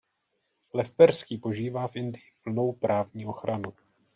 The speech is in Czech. Lev perský požívá v Indii plnou právní ochranu.